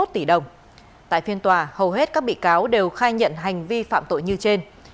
tỉ đồng tại phiên tòa hầu hết các bị cáo đều khai nhận hành vi phạm tội như trên